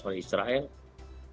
ini akan menjadi bencana